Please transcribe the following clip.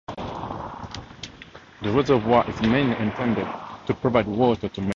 The reservoir is mainly intended to provide water to Mekelle.